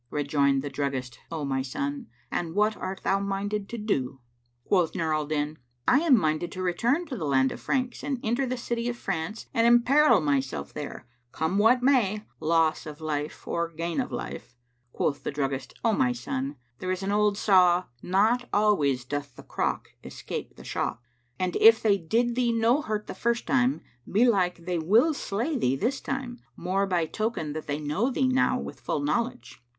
Rejoined the druggist, "O my son, and what art thou minded to do?" Quoth Nur al Din, "I am minded to return to the land of the Franks[FN#549] and enter the city of France and emperil myself there; come what may, loss of life or gain of life." Quoth the druggist, "O my son, there is an old saw, 'Not always doth the crock escape the shock'; and if they did thee no hurt the first time, belike they will slay thee this time, more by token that they know thee now with full knowledge."